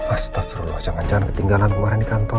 astagfirullah jangan jangan ketinggalan kemarin di kantor